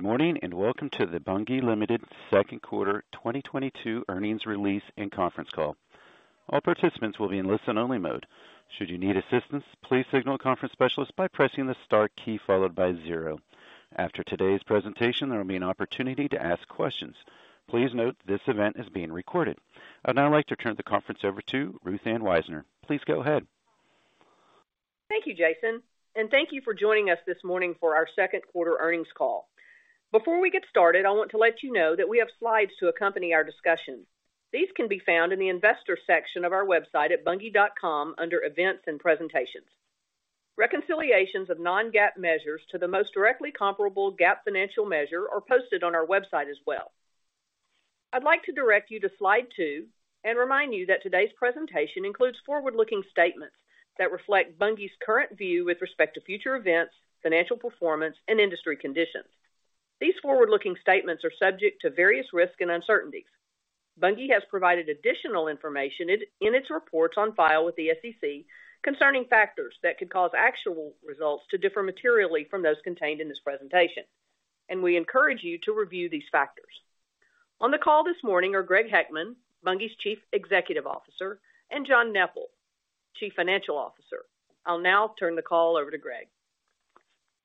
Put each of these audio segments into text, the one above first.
Good morning, and welcome to the Bunge Limited second quarter 2022 earnings release and conference call. All participants will be in listen-only mode. Should you need assistance, please signal a conference specialist by pressing the star key followed by zero. After today's presentation, there will be an opportunity to ask questions. Please note this event is being recorded. I'd now like to turn the conference over to Ruth Ann Wisener. Please go ahead. Thank you, Jason, and thank you for joining us this morning for our second quarter earnings call. Before we get started, I want to let you know that we have slides to accompany our discussion. These can be found in the investor section of our website at bunge.com under Events and Presentations. Reconciliations of non-GAAP measures to the most directly comparable GAAP financial measure are posted on our website as well. I'd like to direct you to slide 2 and remind you that today's presentation includes forward-looking statements that reflect Bunge's current view with respect to future events, financial performance, and industry conditions. These forward-looking statements are subject to various risks and uncertainties. Bunge has provided additional information in its reports on file with the SEC concerning factors that could cause actual results to differ materially from those contained in this presentation, and we encourage you to review these factors. On the call this morning are Greg Heckman, Bunge's Chief Executive Officer, and John Neppl, Chief Financial Officer. I'll now turn the call over to Greg.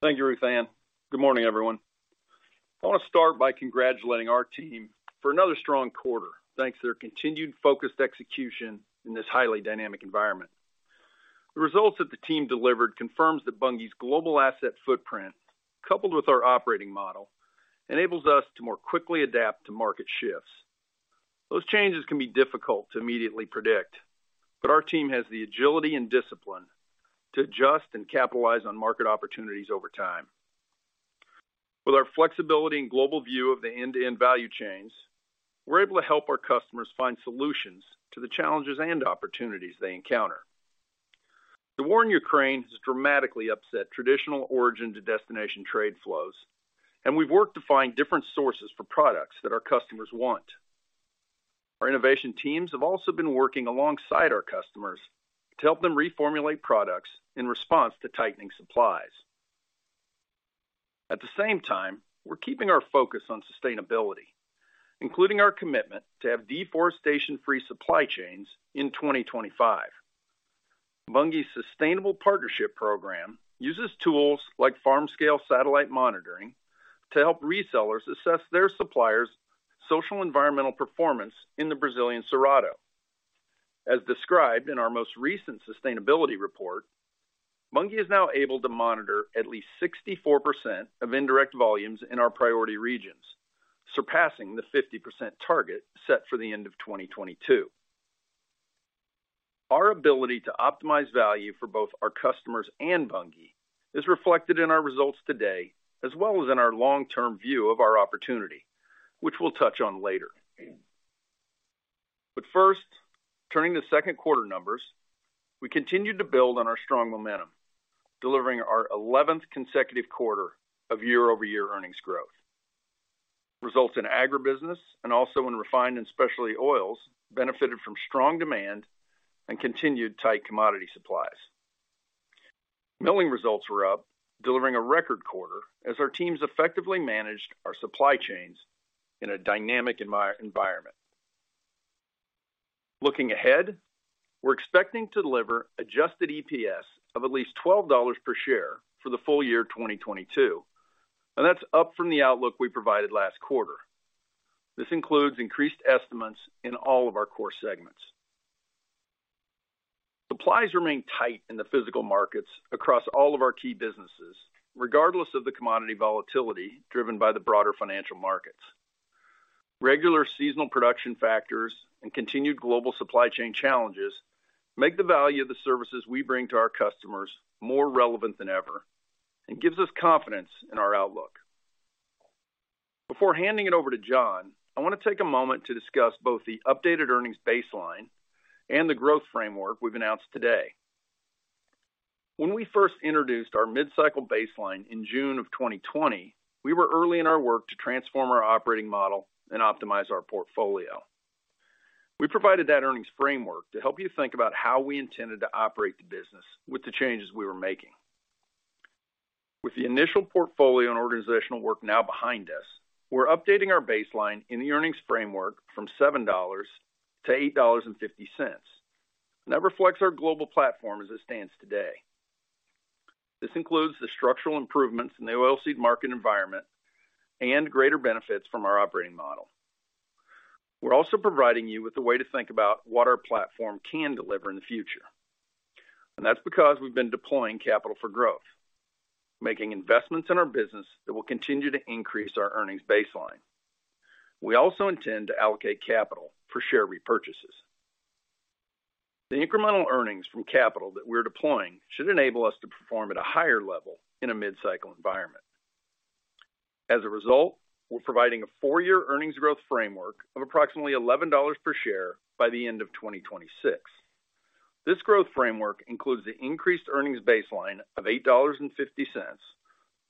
Thank you, Ruthanne. Good morning, everyone. I wanna start by congratulating our team for another strong quarter, thanks to their continued focused execution in this highly dynamic environment. The results that the team delivered confirms that Bunge's global asset footprint, coupled with our operating model, enables us to more quickly adapt to market shifts. Those changes can be difficult to immediately predict, but our team has the agility and discipline to adjust and capitalize on market opportunities over time. With our flexibility and global view of the end-to-end value chains, we're able to help our customers find solutions to the challenges and opportunities they encounter. The war in Ukraine has dramatically upset traditional origin to destination trade flows, and we've worked to find different sources for products that our customers want. Our innovation teams have also been working alongside our customers to help them reformulate products in response to tightening supplies. At the same time, we're keeping our focus on sustainability, including our commitment to have deforestation-free supply chains in 2025. Bunge's sustainable partnership program uses tools like farm-scale satellite monitoring to help resellers assess their suppliers' socio-environmental performance in the Brazilian Cerrado. As described in our most recent sustainability report, Bunge is now able to monitor at least 64% of indirect volumes in our priority regions, surpassing the 50% target set for the end of 2022. Our ability to optimize value for both our customers and Bunge is reflected in our results today, as well as in our long-term view of our opportunity, which we'll touch on later. First, turning to second quarter numbers, we continued to build on our strong momentum, delivering our 11th consecutive quarter of year-over-year earnings growth. Results in agribusiness and also in Refined and Specialty Oils benefited from strong demand and continued tight commodity supplies. Milling results were up, delivering a record quarter as our teams effectively managed our supply chains in a dynamic environment. Looking ahead, we're expecting to deliver adjusted EPS of at least $12 per share for the full year 2022, and that's up from the outlook we provided last quarter. This includes increased estimates in all of our core segments. Supplies remain tight in the physical markets across all of our key businesses, regardless of the commodity volatility driven by the broader financial markets. Regular seasonal production factors and continued global supply chain challenges make the value of the services we bring to our customers more relevant than ever and gives us confidence in our outlook. Before handing it over to John, I wanna take a moment to discuss both the updated earnings baseline and the growth framework we've announced today. When we first introduced our mid-cycle baseline in June of 2020, we were early in our work to transform our operating model and optimize our portfolio. We provided that earnings framework to help you think about how we intended to operate the business with the changes we were making. With the initial portfolio and organizational work now behind us, we're updating our baseline in the earnings framework from $7-$8.50. That reflects our global platform as it stands today. This includes the structural improvements in the oilseed market environment and greater benefits from our operating model. We're also providing you with a way to think about what our platform can deliver in the future, and that's because we've been deploying capital for growth, making investments in our business that will continue to increase our earnings baseline. We also intend to allocate capital for share repurchases. The incremental earnings from capital that we're deploying should enable us to perform at a higher level in a mid-cycle environment. As a result, we're providing a four-year earnings growth framework of approximately $11 per share by the end of 2026. This growth framework includes the increased earnings baseline of $8.50+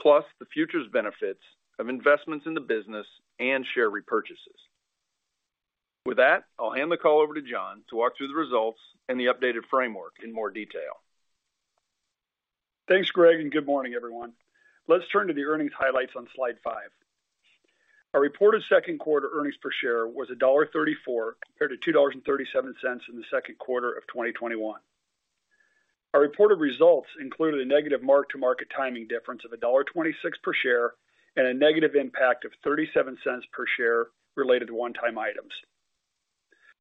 the futures benefits of investments in the business and share repurchases. With that, I'll hand the call over to John to walk through the results and the updated framework in more detail. Thanks, Greg, and good morning, everyone. Let's turn to the earnings highlights on slide five. Our reported second quarter earnings per share was $1.34 compared to $2.37 in the second quarter of 2021. Our reported results included a negative mark-to-market timing difference of $1.26 per share and a negative impact of $0.37 per share related to one-time items.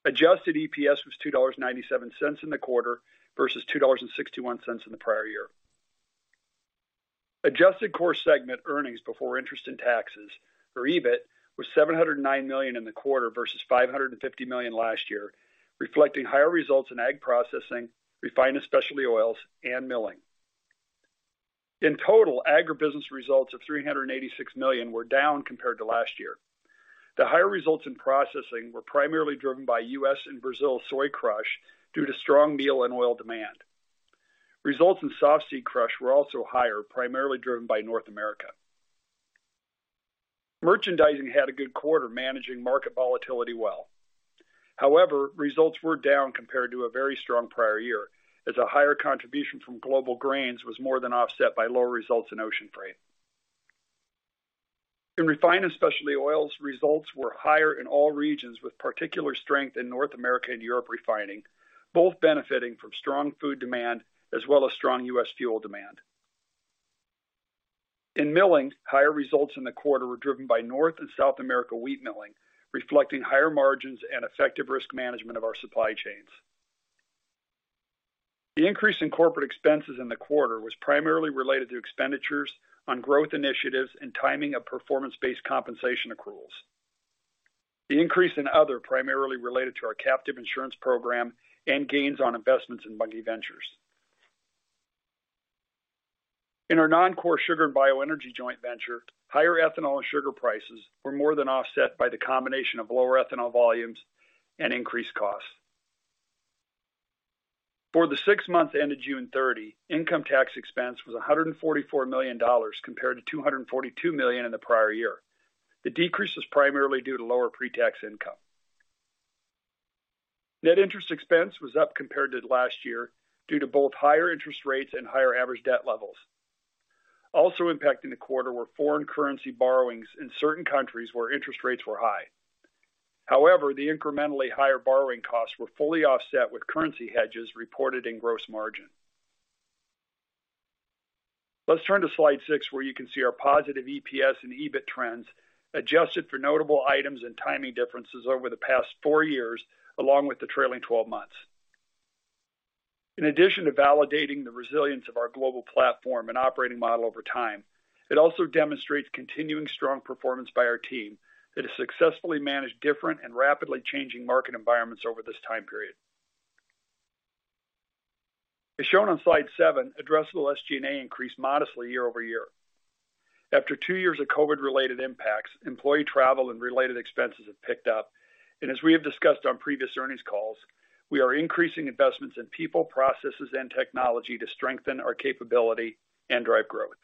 Adjusted EPS was $2.97 in the quarter versus $2.61 in the prior year. Adjusted core segment earnings before interest and taxes or EBIT was $709 million in the quarter versus $550 million last year, reflecting higher results in ag processing, Refined and Specialty Oils, and milling. In total, agribusiness results of $386 million were down compared to last year. The higher results in processing were primarily driven by US and Brazil soy crush due to strong meal and oil demand. Results in softseed crush were also higher, primarily driven by North America. Merchandising had a good quarter managing market volatility well. However, results were down compared to a very strong prior year, as a higher contribution from global grains was more than offset by lower results in ocean freight. In Refined and Specialty Oils, results were higher in all regions, with particular strength in North America and Europe refining, both benefiting from strong food demand as well as strong U.S. fuel demand. In milling, higher results in the quarter were driven by North and South America wheat milling, reflecting higher margins and effective risk management of our supply chains. The increase in corporate expenses in the quarter was primarily related to expenditures on growth initiatives and timing of performance-based compensation accruals. The increase in other primarily related to our captive insurance program and gains on investments in Bunge Ventures. In our non-core sugar and bioenergy joint venture, higher ethanol and sugar prices were more than offset by the combination of lower ethanol volumes and increased costs. For the six months ended June 30th, income tax expense was $144 million compared to $242 million in the prior year. The decrease was primarily due to lower pre-tax income. Net interest expense was up compared to last year due to both higher interest rates and higher average debt levels. Also impacting the quarter were foreign currency borrowings in certain countries where interest rates were high. However, the incrementally higher borrowing costs were fully offset with currency hedges reported in gross margin. Let's turn to slide six, where you can see our positive EPS and EBIT trends adjusted for notable items and timing differences over the past four years, along with the trailing 12 months. In addition to validating the resilience of our global platform and operating model over time, it also demonstrates continuing strong performance by our team that has successfully managed different and rapidly changing market environments over this time period. As shown on slide seven, addressable SG&A increased modestly year-over-year. After two years of COVID-related impacts, employee travel and related expenses have picked up. As we have discussed on previous earnings calls, we are increasing investments in people, processes and technology to strengthen our capability and drive growth.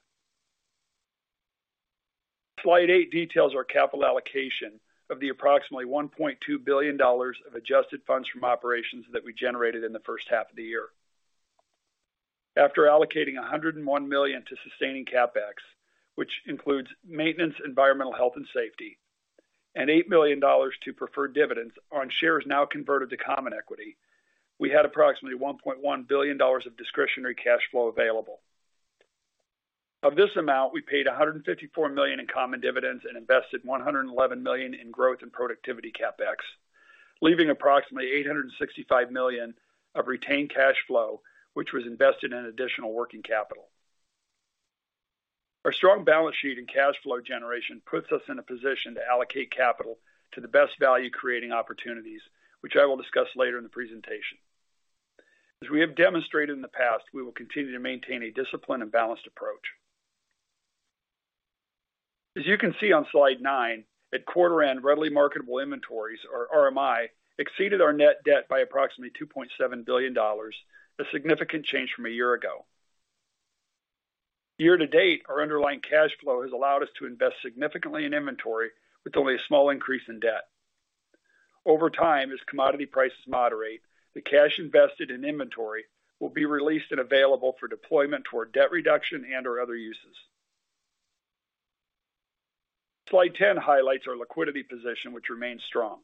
Slide eight details our capital allocation of the approximately $1.2 billion of adjusted funds from operations that we generated in the first half of the year. After allocating $101 million to sustaining CapEx, which includes maintenance, environmental health and safety, and $8 million to preferred dividends on shares now converted to common equity, we had approximately $1.1 billion of discretionary cash flow available. Of this amount, we paid $154 million in common dividends and invested $111 million in growth and productivity CapEx, leaving approximately $865 million of retained cash flow, which was invested in additional working capital. Our strong balance sheet and cash flow generation puts us in a position to allocate capital to the best value-creating opportunities, which I will discuss later in the presentation. We have demonstrated in the past, we will continue to maintain a disciplined and balanced approach. As you can see on slide nine, at quarter end, readily marketable inventories or RMI exceeded our net debt by approximately $2.7 billion, a significant change from a year ago. Year-to-date, our underlying cash flow has allowed us to invest significantly in inventory with only a small increase in debt. Over time, as commodity prices moderate, the cash invested in inventory will be released and available for deployment toward debt reduction and or other uses. Slide 10 highlights our liquidity position, which remains strong.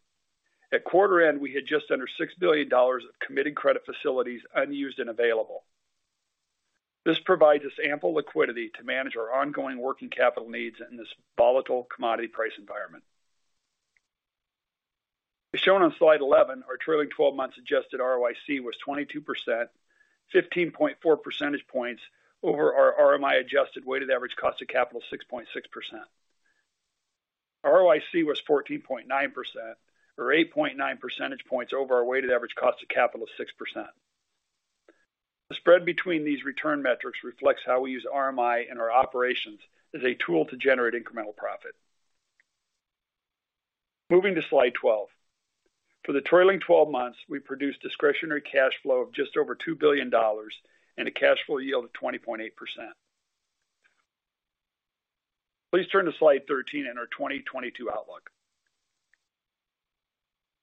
At quarter end, we had just under $6 billion of committed credit facilities unused and available. This provides us ample liquidity to manage our ongoing working capital needs in this volatile commodity price environment. As shown on slide 11, our trailing 12 months adjusted ROIC was 22%, 15.4 percentage points over our RMI adjusted weighted average cost of capital 6.6%. ROIC was 14.9% or 8.9 percentage points over our weighted average cost of capital of 6%. The spread between these return metrics reflects how we use RMI in our operations as a tool to generate incremental profit. Moving to slide 12. For the trailing 12 months, we produced discretionary cash flow of just over $2 billion and a cash flow yield of 20.8%. Please turn to slide 13 in our 2022 outlook.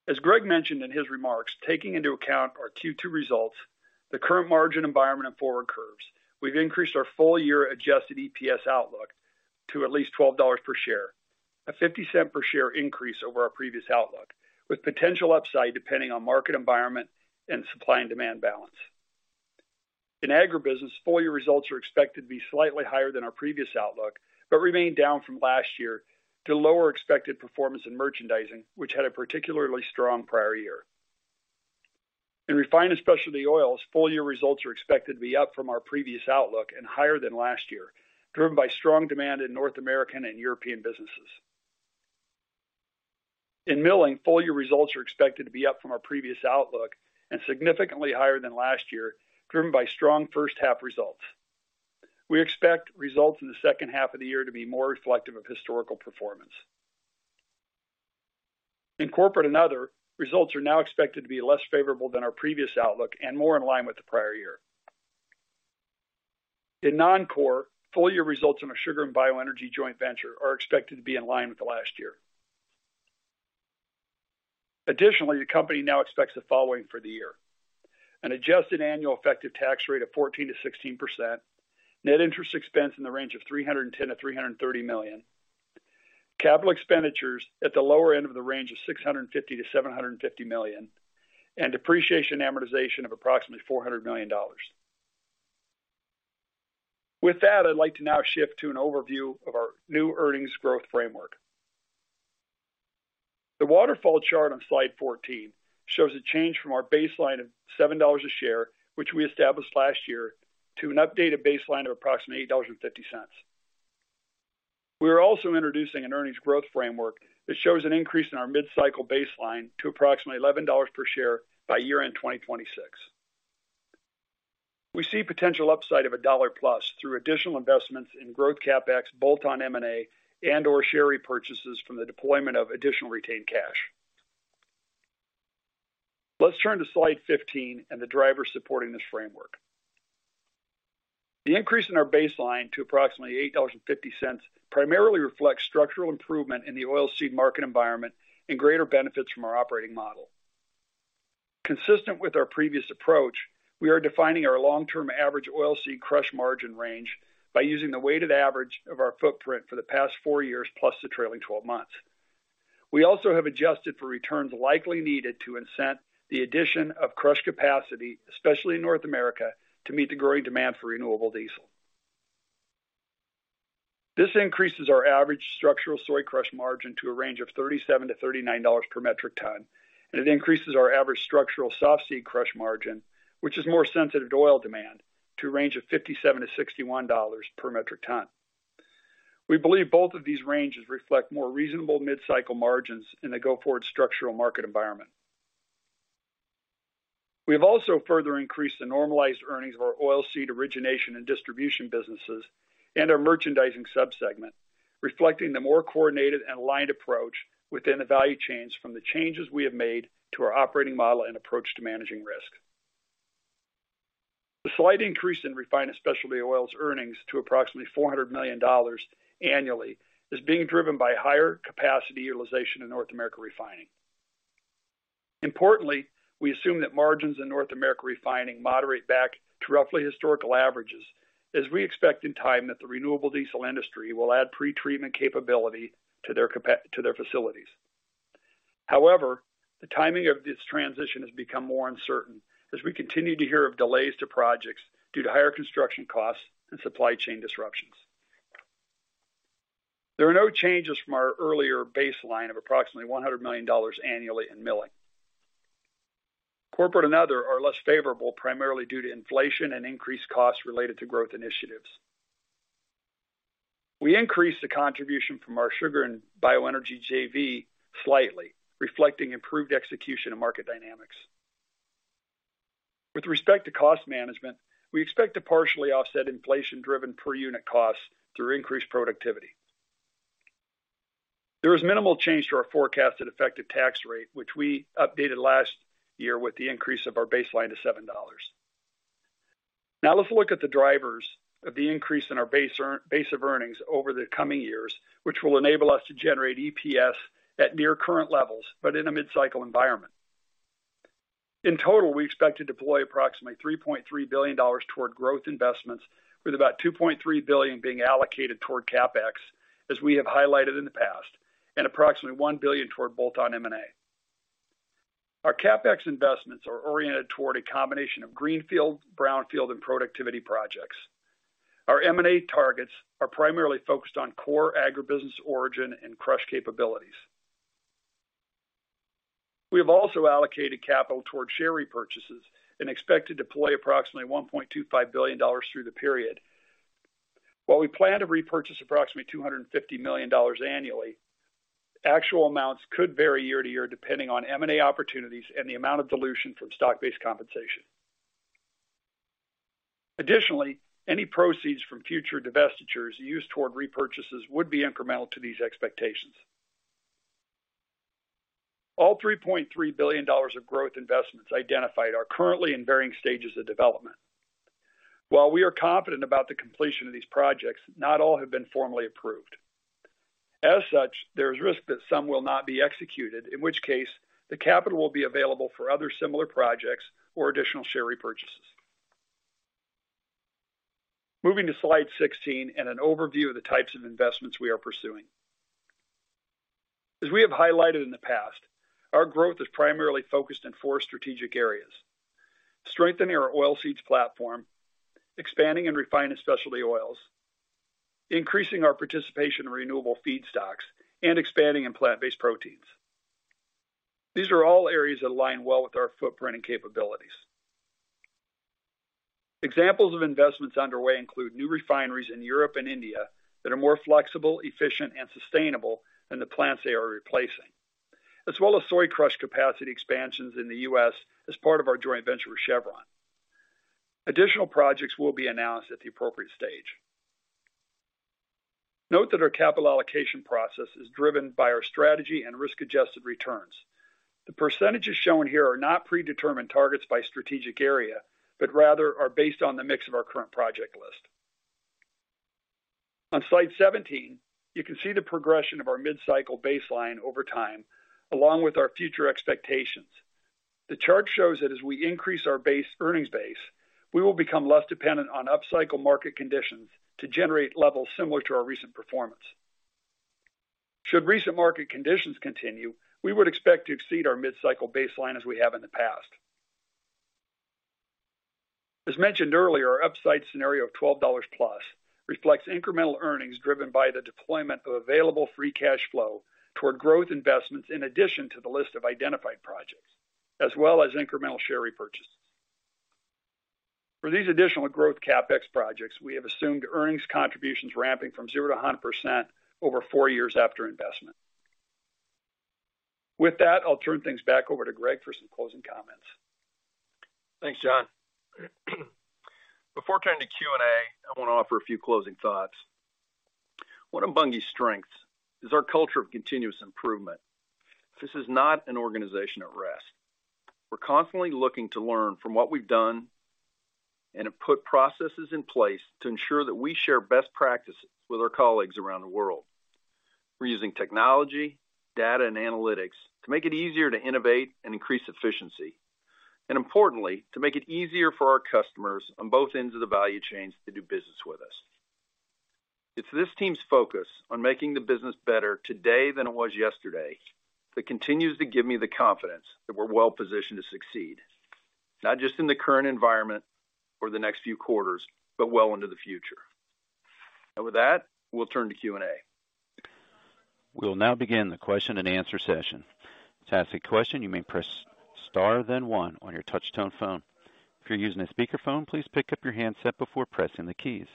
As Greg mentioned in his remarks, taking into account our Q2 results, the current margin environment and forward curves, we've increased our full-year adjusted EPS outlook to at least $12 per share. A $0.50 per share increase over our previous outlook, with potential upside depending on market environment and supply and demand balance. In agribusiness, full year results are expected to be slightly higher than our previous outlook but remain down from last year to lower expected performance in merchandising, which had a particularly strong prior year. In Refined and Specialty Oils, full year results are expected to be up from our previous outlook and higher than last year, driven by strong demand in North American and European businesses. In milling, full year results are expected to be up from our previous outlook and significantly higher than last year, driven by strong first half results. We expect results in the second half of the year to be more reflective of historical performance. In corporate and other, results are now expected to be less favorable than our previous outlook and more in line with the prior year. In non-core, full year results in our sugar and bioenergy joint venture are expected to be in line with the last year. Additionally, the company now expects the following for the year. An adjusted annual effective tax rate of 14%-16%. Net interest expense in the range of $310-$330 million. Capital expenditures at the lower end of the range of $650-$750 million. Depreciation amortization of approximately $400 million. With that, I'd like to now shift to an overview of our new earnings growth framework. The waterfall chart on slide 14 shows a change from our baseline of $7 a share, which we established last year, to an updated baseline of approximately $8.50. We are also introducing an earnings growth framework that shows an increase in our mid-cycle baseline to approximately $11 per share by year-end 2026. We see potential upside of $1+ through additional investments in growth CapEx, bolt-on M&A, and/or share repurchases from the deployment of additional retained cash. Let's turn to slide 15 and the drivers supporting this framework. The increase in our baseline to approximately $8.50 primarily reflects structural improvement in the oilseed market environment and greater benefits from our operating model. Consistent with our previous approach, we are defining our long-term average oilseed crush margin range by using the weighted average of our footprint for the past four years, plus the trailing 12 months. We also have adjusted for returns likely needed to incent the addition of crush capacity, especially in North America, to meet the growing demand for renewable diesel. This increases our average structural soy crush margin to a range of $37-$39 per metric ton. It increases our average structural softseed crush margin, which is more sensitive to oil demand, to a range of $57-$61 per metric ton. We believe both of these ranges reflect more reasonable mid-cycle margins in the go-forward structural market environment. We have also further increased the normalized earnings of our oilseed origination and distribution businesses and our merchandising sub-segment, reflecting the more coordinated and aligned approach within the value chains from the changes we have made to our operating model and approach to managing risk. The slight increase in Refined and Specialty Oils earnings to approximately $400 million annually is being driven by higher capacity utilization in North America refining. Importantly, we assume that margins in North America refining moderate back to roughly historical averages as we expect in time that the renewable diesel industry will add pretreatment capability to their facilities. However, the timing of this transition has become more uncertain as we continue to hear of delays to projects due to higher construction costs and supply chain disruptions. There are no changes from our earlier baseline of approximately $100 million annually in milling. Corporate and other are less favorable, primarily due to inflation and increased costs related to growth initiatives. We increased the contribution from our sugar and bioenergy JV slightly, reflecting improved execution of market dynamics. With respect to cost management, we expect to partially offset inflation-driven per unit costs through increased productivity. There is minimal change to our forecasted effective tax rate, which we updated last year with the increase of our baseline to $7. Now let's look at the drivers of the increase in our base of earnings over the coming years, which will enable us to generate EPS at near current levels, but in a mid-cycle environment. In total, we expect to deploy approximately $3.3 billion toward growth investments with about $2.3 billion being allocated toward CapEx, as we have highlighted in the past, and approximately $1 billion toward bolt-on M&A. Our CapEx investments are oriented toward a combination of greenfield, brownfield and productivity projects. Our M&A targets are primarily focused on core agribusiness origin and crush capabilities. We have also allocated capital toward share repurchases and expect to deploy approximately $1.25 billion through the period. While we plan to repurchase approximately $250 million annually, actual amounts could vary year-to-year, depending on M&A opportunities and the amount of dilution from stock-based compensation. Additionally, any proceeds from future divestitures used toward repurchases would be incremental to these expectations. All $3.3 billion of growth investments identified are currently in varying stages of development. While we are confident about the completion of these projects, not all have been formally approved. As such, there's risk that some will not be executed, in which case the capital will be available for other similar projects or additional share repurchases. Moving to slide 16 and an overview of the types of investments we are pursuing. As we have highlighted in the past, our growth is primarily focused in four strategic areas, strengthening our Oilseeds platform, expanding and refining Specialty Oils, increasing our participation in renewable feedstocks, and expanding in plant-based proteins. These are all areas that align well with our footprint and capabilities. Examples of investments underway include new refineries in Europe and India that are more flexible, efficient, and sustainable than the plants they are replacing, as well as soy crush capacity expansions in the U.S. as part of our joint venture with Chevron. Additional projects will be announced at the appropriate stage. Note that our capital allocation process is driven by our strategy and risk-adjusted returns. The percentages shown here are not predetermined targets by strategic area, but rather are based on the mix of our current project list. On slide 17, you can see the progression of our mid-cycle baseline over time, along with our future expectations. The chart shows that as we increase our earnings base, we will become less dependent on upcycle market conditions to generate levels similar to our recent performance. Should recent market conditions continue, we would expect to exceed our mid-cycle baseline as we have in the past. As mentioned earlier, our upside scenario of $12+ reflects incremental earnings driven by the deployment of available free cash flow toward growth investments in addition to the list of identified projects, as well as incremental share repurchases. For these additional growth CapEx projects, we have assumed earnings contributions ramping from 0%-100% over four years after investment. With that, I'll turn things back over to Greg for some closing comments. Thanks, John. Before turning to Q&A, I wanna offer a few closing thoughts. One of Bunge's strengths is our culture of continuous improvement. This is not an organization at rest. We're constantly looking to learn from what we've done and have put processes in place to ensure that we share best practices with our colleagues around the world. We're using technology, data, and analytics to make it easier to innovate and increase efficiency. Importantly, to make it easier for our customers on both ends of the value chains to do business with us. It's this team's focus on making the business better today than it was yesterday that continues to give me the confidence that we're well-positioned to succeed, not just in the current environment or the next few quarters, but well into the future. With that, we'll turn to Q&A. We'll now begin the question-and-answer session. To ask a question, you may press star, then one on your touch tone phone. If you're using a speakerphone, please pick up your handset before pressing the keys.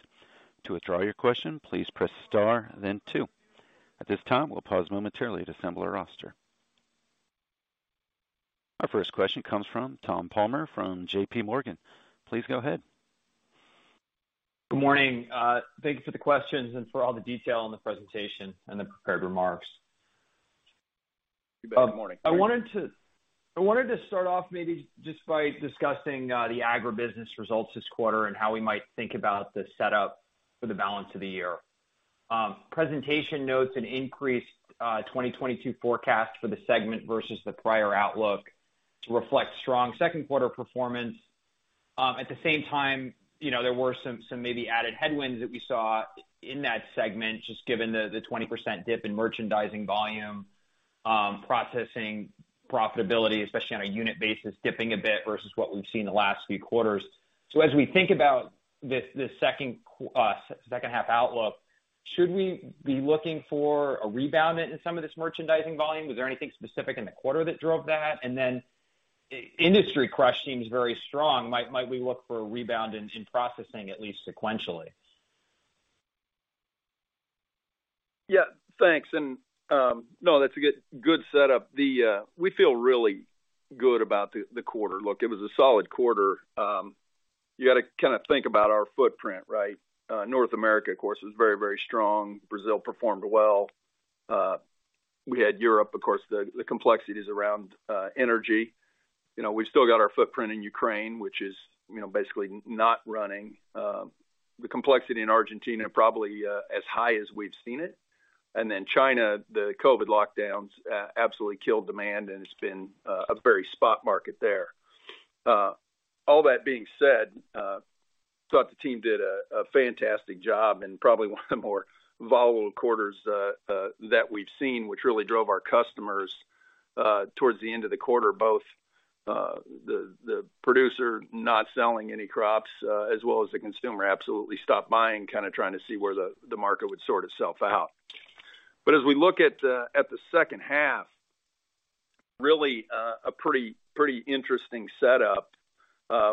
To withdraw your question, please press star then two. At this time, we'll pause momentarily to assemble our roster. Our first question comes from Tom Palmer from JPMorgan. Please go ahead. Good morning. Thank you for the questions and for all the detail on the presentation and the prepared remarks. Good morning. I wanted to start off maybe just by discussing the agribusiness results this quarter and how we might think about the setup for the balance of the year. Presentation notes an increased 2022 forecast for the segment versus the prior outlook to reflect strong second quarter performance. At the same time, you know, there were some maybe added headwinds that we saw in that segment, just given the 20% dip in merchandising volume, processing profitability, especially on a unit basis, dipping a bit versus what we've seen in the last few quarters. As we think about this second half outlook, should we be looking for a rebound in some of this merchandising volume? Is there anything specific in the quarter that drove that? Industry crush seems very strong. Might we look for a rebound in processing at least sequentially? Yeah, thanks. No, that's a good setup. We feel really good about the quarter. Look, it was a solid quarter. You gotta kinda think about our footprint, right? North America, of course, was very strong. Brazil performed well. We had Europe, of course, the complexities around energy. You know, we've still got our footprint in Ukraine, which is, you know, basically not running. The complexity in Argentina, probably as high as we've seen it. China, the COVID lockdowns absolutely killed demand, and it's been a very spot market there. All that being said, I thought the team did a fantastic job and probably one of the more volatile quarters that we've seen, which really drove our customers towards the end of the quarter, both the producer not selling any crops as well as the consumer absolutely stopped buying, kinda trying to see where the market would sort itself out. As we look at the second half, really a pretty interesting setup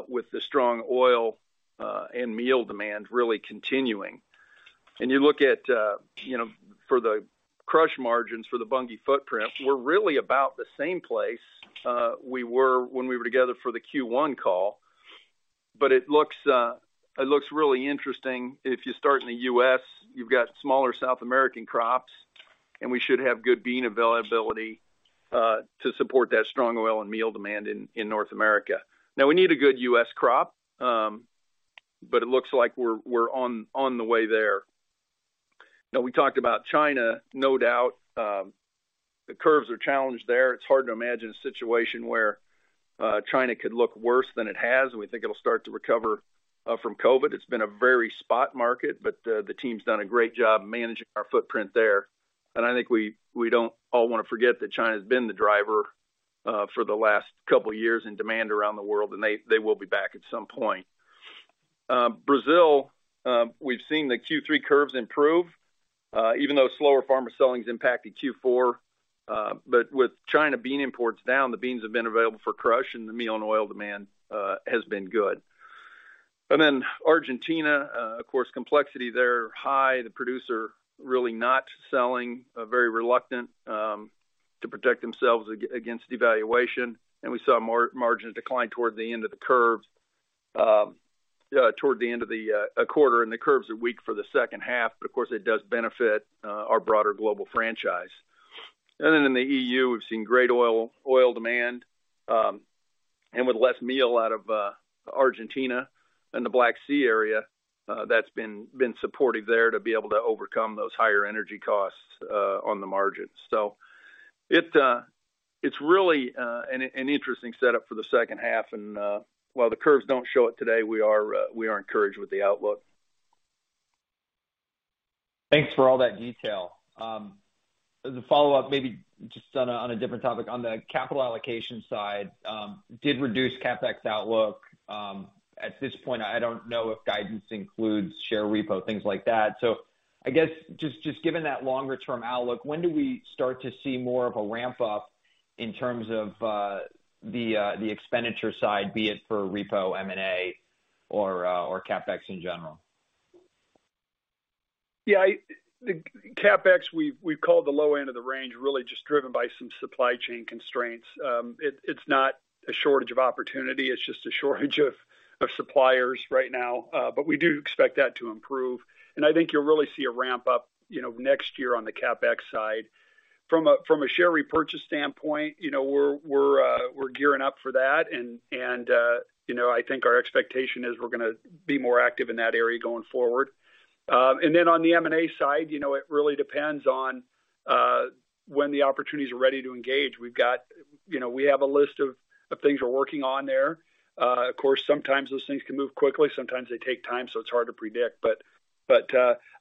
with the strong oil and meal demand really continuing. You look at, you know, for the crush margins for the Bunge footprint, we're really about the same place we were when we were together for the Q1 call. It looks really interesting. If you start in the US, you've got smaller South American crops, and we should have good bean availability to support that strong oil and meal demand in North America. Now we need a good US crop, but it looks like we're on the way there. Now we talked about China, no doubt, the curves are challenged there. It's hard to imagine a situation where China could look worse than it has, and we think it'll start to recover from COVID. It's been a very spot market, but the team's done a great job managing our footprint there. I think we don't all wanna forget that China's been the driver for the last couple years in demand around the world, and they will be back at some point. Brazil, we've seen the Q3 curves improve, even though slower farmer selling has impacted Q4. With China bean imports down, the beans have been available for crush and the meal and oil demand has been good. Argentina, of course, complexity there high. The producer really not selling, very reluctant to protect themselves against devaluation. We saw margin decline toward the end of the curve, toward the end of the quarter, and the curves are weak for the second half, but of course it does benefit our broader global franchise. In the EU, we've seen great oil demand, and with less meal out of Argentina and the Black Sea area, that's been supportive there to be able to overcome those higher energy costs on the margin. It's really an interesting setup for the second half. While the curves don't show it today, we are encouraged with the outlook. Thanks for all that detail. As a follow-up, maybe just on a different topic. On the capital allocation side, did reduce CapEx outlook. At this point, I don't know if guidance includes share repo, things like that. I guess just given that longer term outlook, when do we start to see more of a ramp up in terms of the expenditure side, be it for repo, M&A or CapEx in general? Yeah, the CapEx we've called the low end of the range really just driven by some supply chain constraints. It's not a shortage of opportunity, it's just a shortage of suppliers right now. We do expect that to improve. I think you'll really see a ramp up, you know, next year on the CapEx side. From a share repurchase standpoint, you know, we're gearing up for that. You know, I think our expectation is we're gonna be more active in that area going forward. On the M&A side, you know, it really depends on when the opportunities are ready to engage. You know, we have a list of things we're working on there. Of course, sometimes those things can move quickly, sometimes they take time, so it's hard to predict.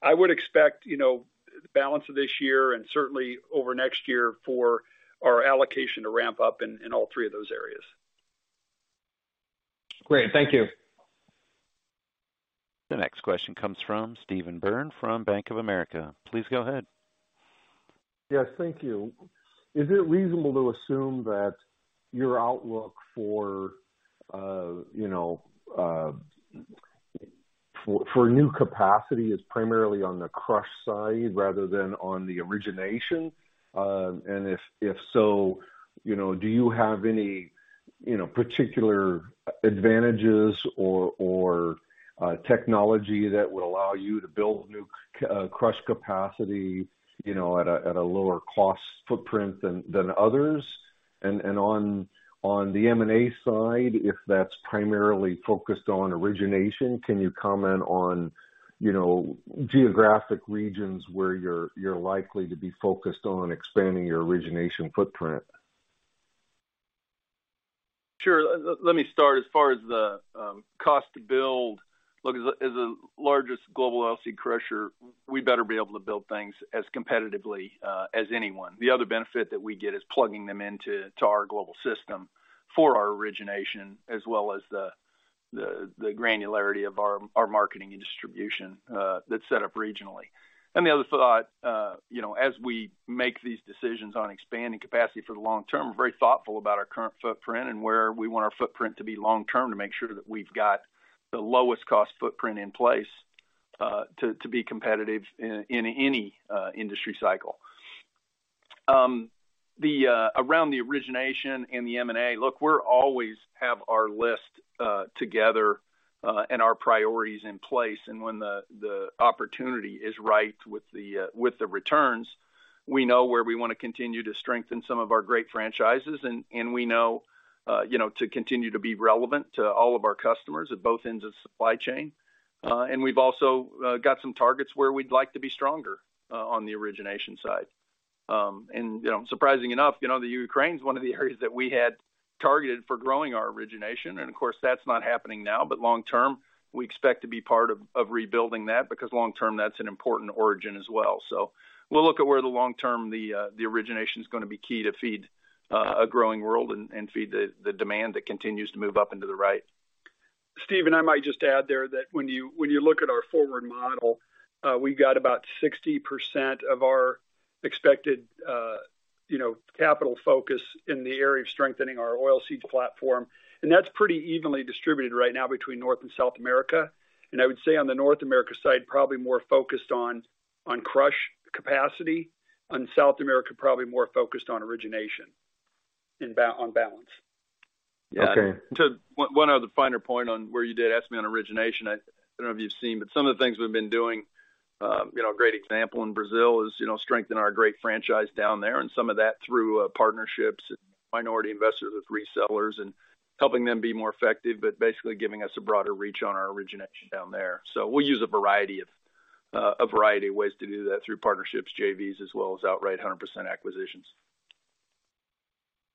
I would expect, you know, the balance of this year and certainly over next year for our allocation to ramp up in all three of those areas. Great. Thank you. The next question comes from Steve Byrne from Bank of America. Please go ahead. Yes. Thank you. Is it reasonable to assume that your outlook for you know new capacity is primarily on the crush side rather than on the origination? If so, you know, do you have any you know particular advantages or technology that will allow you to build new crush capacity, you know, at a lower cost footprint than others? On the M&A side, if that's primarily focused on origination, can you comment on you know geographic regions where you're likely to be focused on expanding your origination footprint? Sure. Let me start. As far as the cost to build. Look, as the largest global oilseed crusher, we better be able to build things as competitively as anyone. The other benefit that we get is plugging them into our global system for our origination as well as the granularity of our marketing and distribution that's set up regionally. The other thought you know, as we make these decisions on expanding capacity for the long term, we're very thoughtful about our current footprint and where we want our footprint to be long term, to make sure that we've got the lowest cost footprint in place to be competitive in any industry cycle. Around the origination and the M&A, look, we're always have our list together and our priorities in place. When the opportunity is right with the returns, we know where we wanna continue to strengthen some of our great franchises. We know you know to continue to be relevant to all of our customers at both ends of the supply chain. We've also got some targets where we'd like to be stronger on the origination side. You know, surprisingly enough, you know, the Ukraine's one of the areas that we had targeted for growing our origination, and of course, that's not happening now. Long term, we expect to be part of rebuilding that because long term that's an important origin as well. We'll look at where the long-term origination is gonna be key to feed a growing world and feed the demand that continues to move up and to the right. Steve, I might just add there that when you look at our forward model, we've got about 60% of our expected, you know, capital focus in the area of strengthening our oilseeds platform. That's pretty evenly distributed right now between North and South America. I would say on the North America side, probably more focused on crush capacity. On South America, probably more focused on origination. On balance. Okay. One other finer point on where you did ask me on origination. I don't know if you've seen, but some of the things we've been doing, you know, a great example in Brazil is, you know, strengthen our great franchise down there and some of that through partnerships, minority investors with resellers and helping them be more effective, but basically giving us a broader reach on our origination down there. We use a variety of ways to do that through partnerships, JVs, as well as outright 100% acquisitions.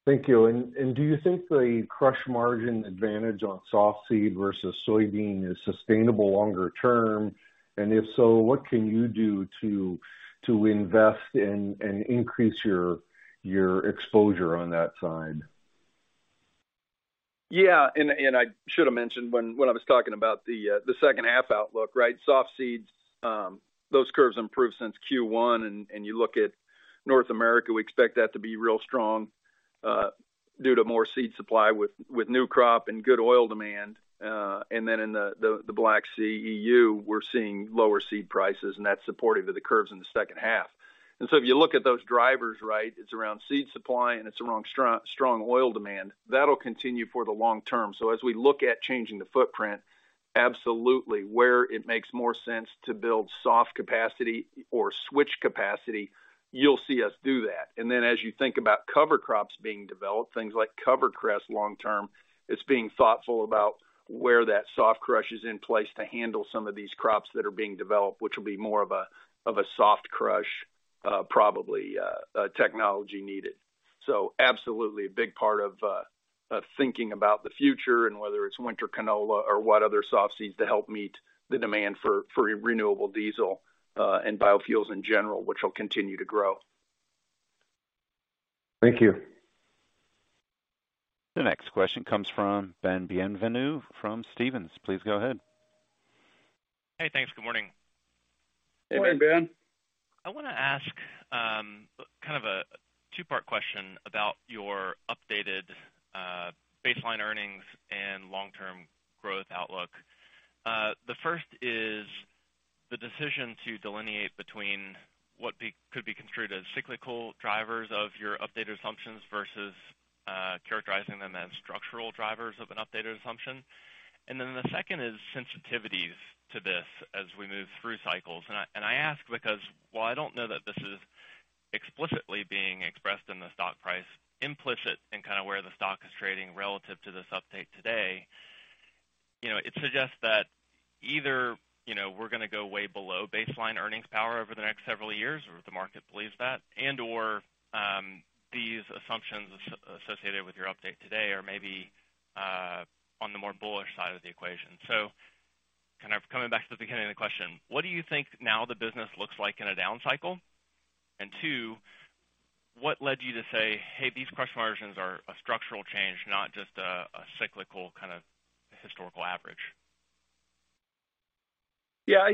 Thank you. Do you think the crush margin advantage on softseed versus soybean is sustainable longer term? If so, what can you do to invest and increase your exposure on that side? Yeah. I should have mentioned when I was talking about the second half outlook, right? Softseeds, those curves improved since Q1. You look at North America, we expect that to be real strong due to more seed supply with new crop and good oil demand. In the Black Sea EU, we're seeing lower seed prices, and that's supportive of the curves in the second half. If you look at those drivers, right, it's around seed supply and it's around strong oil demand. That'll continue for the long term. As we look at changing the footprint, absolutely, where it makes more sense to build soft capacity or switch capacity, you'll see us do that. Then as you think about cover crops being developed, things like CoverCress long term, it's being thoughtful about where that soft crush is in place to handle some of these crops that are being developed, which will be more of a soft crush, probably technology needed. Absolutely a big part of thinking about the future and whether it's winter canola or what other softseeds to help meet the demand for renewable diesel and biofuels in general, which will continue to grow. Thank you. The next question comes from Ben Bienvenu from Stephens. Please go ahead. Hey, thanks. Good morning. Hey, Ben. Morning. I wanna ask, kind of a two-part question about your updated, baseline earnings and long-term growth outlook. The first is the decision to delineate between what could be construed as cyclical drivers of your updated assumptions versus, characterizing them as structural drivers of an updated assumption. The second is sensitivities to this as we move through cycles. I ask because, while I don't know that this is explicitly being expressed in the stock price, implicit in kind of where the stock is trading relative to this update today, you know, it suggests that either, you know, we're gonna go way below baseline earnings power over the next several years, or the market believes that, and/or, these assumptions associated with your update today are maybe, on the more bullish side of the equation. Kind of coming back to the beginning of the question, what do you think now the business looks like in a down cycle? Two, what led you to say, "Hey, these crush margins are a structural change, not just a cyclical kind of historical average? Yeah.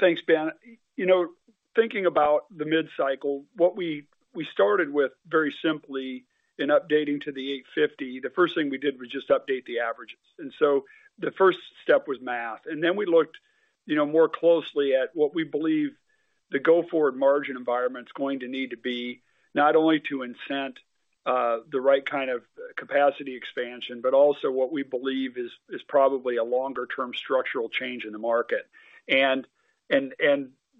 Thanks, Ben. You know, thinking about the mid-cycle, what we started with very simply in updating to the $8.50, the first thing we did was just update the averages. The first step was math. Then we looked, you know, more closely at what we believe the go-forward margin environment's going to need to be not only to incent the right kind of capacity expansion, but also what we believe is probably a longer-term structural change in the market.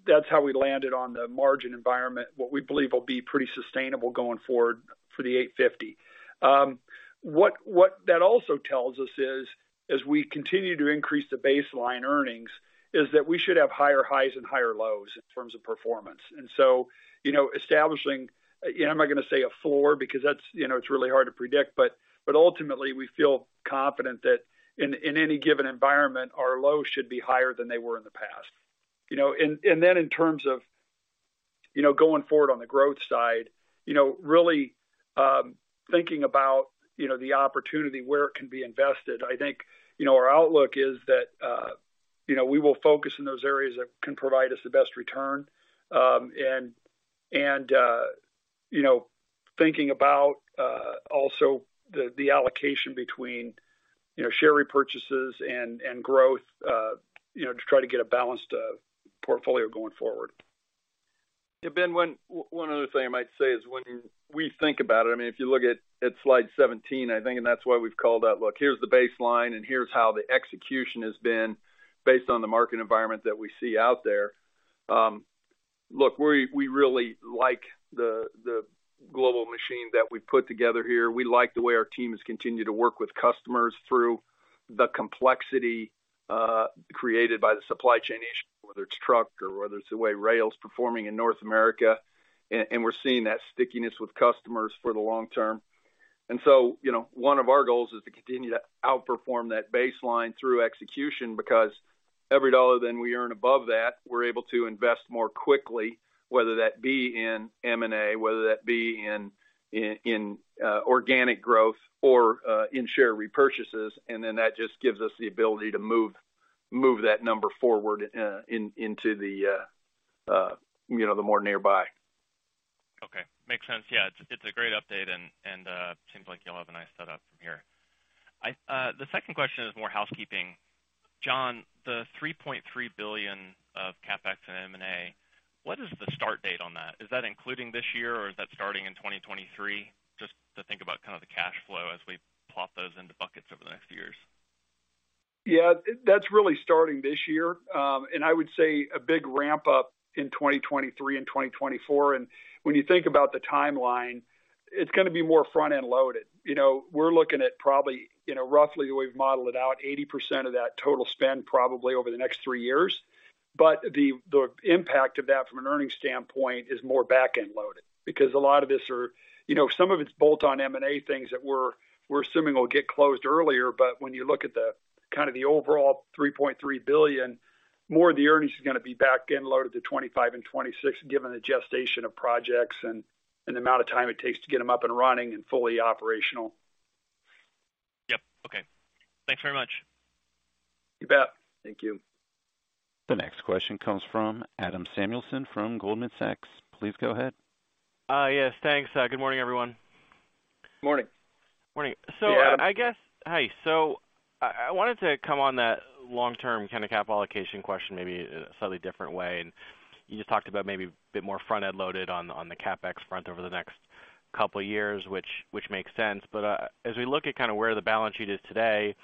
That's how we landed on the margin environment, what we believe will be pretty sustainable going forward for the $8.50. What that also tells us is, as we continue to increase the baseline earnings, that we should have higher highs and higher lows in terms of performance. You know, establishing, you know, I'm not gonna say a floor because that's, you know, it's really hard to predict, but ultimately we feel confident that in any given environment, our lows should be higher than they were in the past. You know, then in terms of, you know, going forward on the growth side, you know, really thinking about, you know, the opportunity where it can be invested. I think, you know, our outlook is that, you know, we will focus in those areas that can provide us the best return. You know, thinking about also the allocation between, you know, share repurchases and growth, you know, to try to get a balanced portfolio going forward. Yeah, Ben, one other thing I might say is when we think about it, I mean, if you look at slide 17, I think, and that's why we've called out, look, here's the baseline and here's how the execution has been based on the market environment that we see out there. Look, we really like the global machine that we've put together here. We like the way our teams continue to work with customers through the complexity created by the supply chain issue, whether it's truck or whether it's the way rail's performing in North America. We're seeing that stickiness with customers for the long term. you know, one of our goals is to continue to outperform that baseline through execution because every dollar then we earn above that, we're able to invest more quickly, whether that be in M&A, whether that be in organic growth or in share repurchases, and then that just gives us the ability to move that number forward, you know, the more nearby. Okay. Makes sense. Yeah. It's a great update and seems like you all have a nice set up from here. The second question is more housekeeping. John, the $3.3 billion of CapEx and M&A, what is the start date on that? Is that including this year or is that starting in 2023? Just to think about kind of the cash flow as we plop those into buckets over the next few years. Yeah. That's really starting this year. I would say a big ramp up in 2023 and 2024. When you think about the timeline, it's gonna be more front-end loaded. You know, we're looking at probably, you know, roughly the way we've modeled it out, 80% of that total spend probably over the next three years. The impact of that from an earnings standpoint is more back-end loaded because a lot of this are, you know, some of it's bolt-on M&A things that we're assuming will get closed earlier. When you look at the kind of the overall $3.3 billion, more of the earnings is gonna be back-end loaded to 2025 and 2026, given the gestation of projects and the amount of time it takes to get them up and running and fully operational. Yep. Okay. Thanks very much. You bet. Thank you. The next question comes from Adam Samuelson from Goldman Sachs. Please go ahead. Yes, thanks. Good morning, everyone. Morning. Morning. Yeah. I wanted to come on that long-term kind of capital allocation question maybe a slightly different way. You just talked about maybe a bit more front-end loaded on the CapEx front over the next couple of years, which makes sense. As we look at kind of where the balance sheet is today,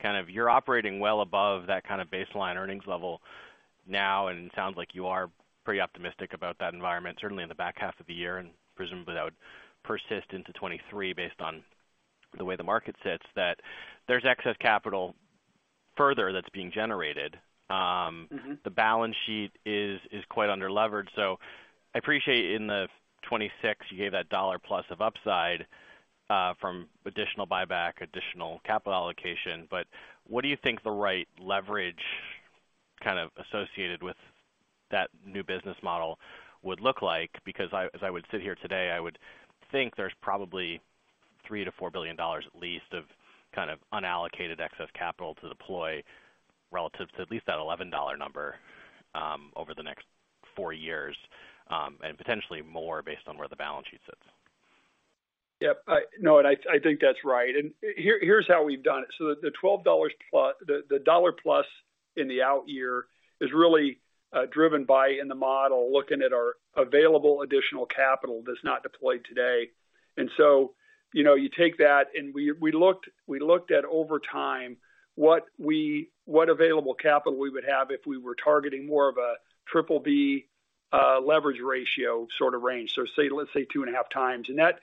kind of you're operating well above that kind of baseline earnings level now, and it sounds like you are pretty optimistic about that environment, certainly in the back half of the year and presumably that would persist into 2023 based on the way the market sits, that there's excess capital further that's being generated. Mm-hmm. The balance sheet is quite under-levered. I appreciate in the 26 you gave that $1+ of upside from additional buyback, additional capital allocation. What do you think the right leverage kind of associated with that new business model would look like? Because I, as I would sit here today, I would think there's probably $3 billion-$4 billion at least of kind of unallocated excess capital to deploy relative to at least that $11 number over the next four years, and potentially more based on where the balance sheet sits. Yep. No, I think that's right. Here's how we've done it. The $12+,the $1+ in the out year is really driven by, in the model, looking at our available additional capital that's not deployed today. You know, you take that, and we looked at over time what available capital we would have if we were targeting more of a BBB leverage ratio sort of range. Say, let's say 2.5x.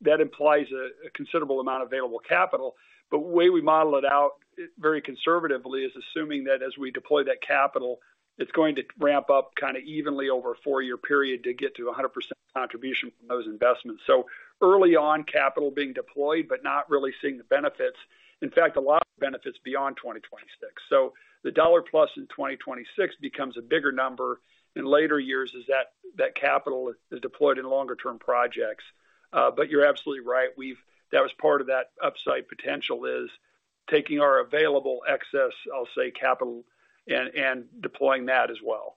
That implies a considerable amount of available capital. The way we model it out very conservatively is assuming that as we deploy that capital, it's going to ramp up kinda evenly over a four-year period to get to 100% contribution from those investments. Early on capital being deployed, but not really seeing the benefits. In fact, a lot of benefits beyond 2026. The $1+ in 2026 becomes a bigger number in later years as that capital is deployed in longer term projects. You're absolutely right. That was part of that upside potential is taking our available excess, I'll say, capital and deploying that as well.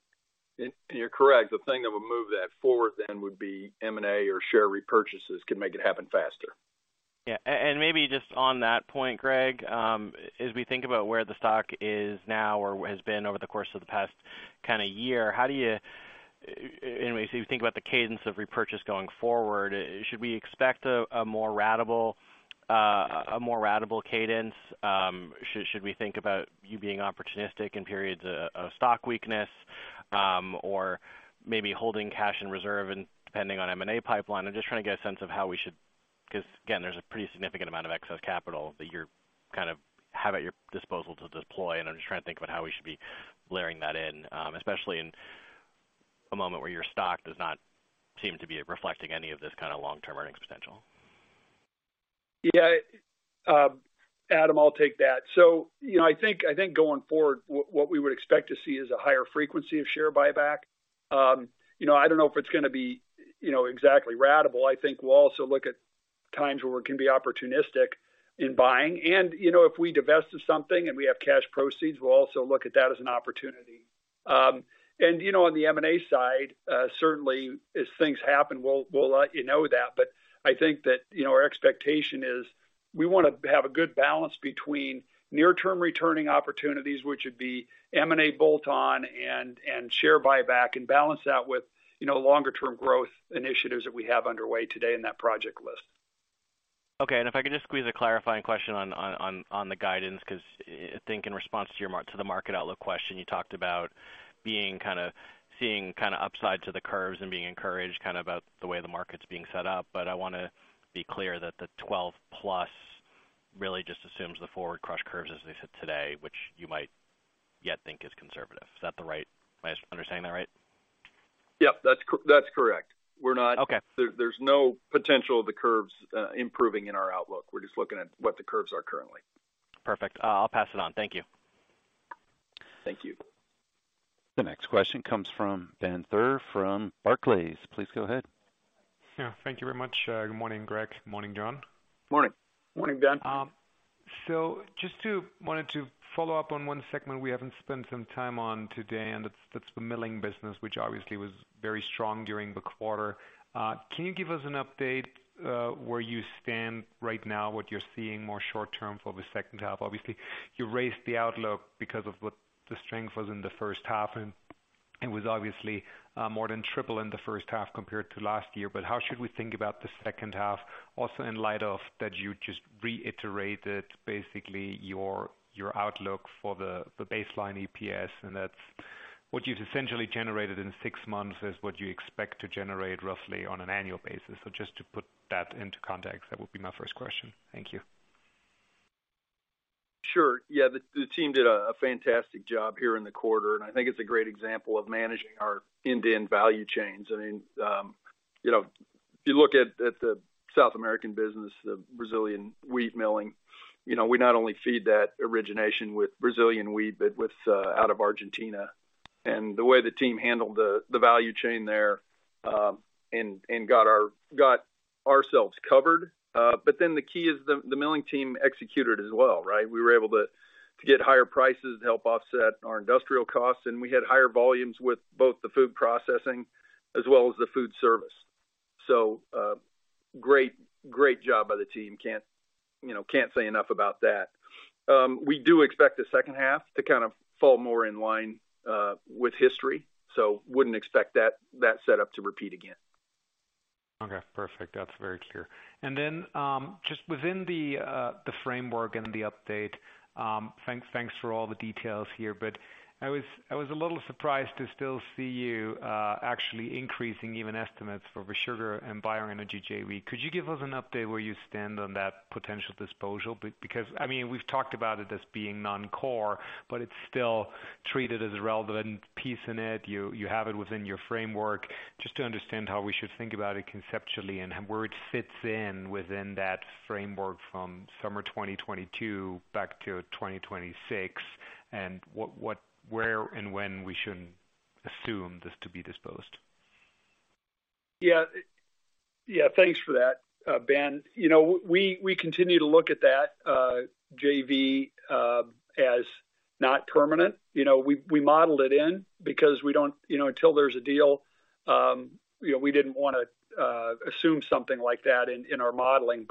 You're correct. The thing that would move that forward then would be M&A or share repurchases can make it happen faster. Maybe just on that point, Greg, as we think about where the stock is now or has been over the course of the past kind of year, you think about the cadence of repurchase going forward. Should we expect a more ratable cadence? Should we think about you being opportunistic in periods of stock weakness, or maybe holding cash in reserve and depending on M&A pipeline? I'm just trying to get a sense of how we should. 'Cause again, there's a pretty significant amount of excess capital that you're kind of have at your disposal to deploy, and I'm just trying to think about how we should be layering that in, especially in a moment where your stock does not seem to be reflecting any of this kind of long-term earnings potential. Yeah. Adam, I'll take that. You know, I think going forward, what we would expect to see is a higher frequency of share buyback. You know, I don't know if it's gonna be exactly ratable. I think we'll also look at times where we can be opportunistic in buying. You know, if we divest of something and we have cash proceeds, we'll also look at that as an opportunity. You know, on the M&A side, certainly as things happen, we'll let you know that. I think that, you know, our expectation is we wanna have a good balance between near term returning opportunities, which would be M&A bolt-on and share buyback, and balance that with, you know, longer term growth initiatives that we have underway today in that project list. Okay. If I could just squeeze a clarifying question on the guidance, 'cause I think in response to your mark-to-market outlook question, you talked about seeing kinda upside to the curves and being encouraged kind of about the way the market's being set up. I wanna be clear that the 12+ really just assumes the forward crush curves as they sit today, which you might yet think is conservative. Am I understanding that right? Yep. That's correct. Okay. There's no potential of the curves improving in our outlook. We're just looking at what the curves are currently. Perfect. I'll pass it on. Thank you. Thank you. The next question comes from Ben Theurer from Barclays. Please go ahead. Yeah, thank you very much. Good morning, Greg. Morning, John. Morning. Morning, Ben. Wanted to follow up on one segment we haven't spent some time on today, and that's the milling business, which obviously was very strong during the quarter. Can you give us an update where you stand right now, what you're seeing more short-term for the second half? Obviously, you raised the outlook because of what the strength was in the first half, and it was obviously more than triple in the first half compared to last year. How should we think about the second half, also in light of that you just reiterated basically your outlook for the baseline EPS, and that's what you've essentially generated in six months is what you expect to generate roughly on an annual basis. Just to put that into context, that would be my first question. Thank you. Sure. Yeah, the team did a fantastic job here in the quarter, and I think it's a great example of managing our end-to-end value chains. I mean, you know, if you look at the South American business, the Brazilian wheat milling, you know, we not only feed that origination with Brazilian wheat, but with out of Argentina. The way the team handled the value chain there, and got ourselves covered. The key is the milling team executed as well, right? We were able to get higher prices to help offset our industrial costs, and we had higher volumes with both the food processing as well as the food service. Great job by the team. Can't, you know, say enough about that. We do expect the second half to kind of fall more in line with history, so wouldn't expect that setup to repeat again. Okay, perfect. That's very clear. Just within the framework and the update, thanks for all the details here. I was a little surprised to still see you actually increasing even estimates for the sugar and bioenergy JV. Could you give us an update where you stand on that potential disposal? Because, I mean, we've talked about it as being non-core, but it's still treated as a relevant piece in it. You have it within your framework. Just to understand how we should think about it conceptually and where it fits in within that framework from summer 2022 back to 2026, and what where and when we should assume this to be disposed. Yeah. Yeah, thanks for that, Ben. You know, we continue to look at that JV as not permanent. You know, we modeled it in because we don't, you know, until there's a deal, you know, we didn't wanna assume something like that in our modeling.